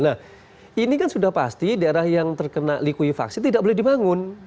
nah ini kan sudah pasti daerah yang terkena likuifaksi tidak boleh dibangun